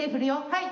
はい。